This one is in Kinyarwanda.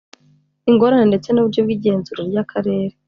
ingorane ndetse n uburyo bw igenzura rya karere